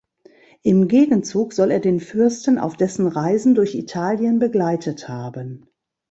Im Gegenzug soll er den Fürsten auf dessen Reisen durch Italien begleitet haben.